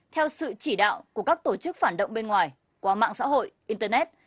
theo sự chỉ đạo của các tổ chức phản động bên ngoài qua mạng xã hội internet